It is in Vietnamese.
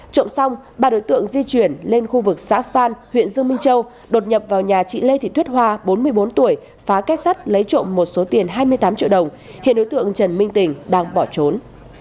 trộm xong ba đối tượng di chuyển lên khu vực xã phan huyện dương minh châu đột nhập vào nhà chị lê thị tuyết hoa bốn mươi bốn tuổi phá kết sắt lấy trộm một số tiền hai mươi tám triệu đồng hiện đối tượng trần minh tình đang bỏ trốn